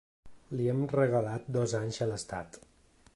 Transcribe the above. Li hem regalat dos anys a l’estat!